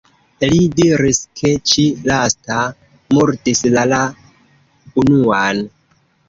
Li diris ke ĉi-lasta murdis la la unuan.